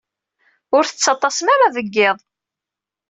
Ur tettaḍḍasem ara deg yiḍ.